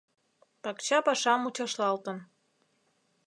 Пакча паша мучашлалтын.